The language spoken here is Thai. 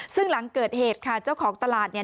ซึ่งหลังเกิดเหตุค่ะเจ้าของตลาดเนี่ย